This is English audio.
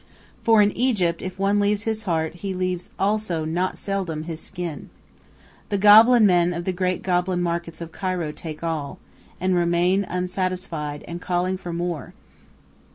For in Egypt if one leave his heart, he leaves also not seldom his skin. The goblin men of the great goblin market of Cairo take all, and remain unsatisfied and calling for more.